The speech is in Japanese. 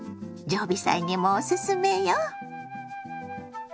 常備菜にもおすすめよ。